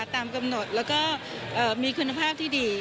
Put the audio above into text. ตามกำหนดแล้วก็มีคุณภาพที่ดี